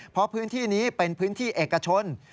เพราะพื้นที่นี้เป็นพื้นที่เอกชน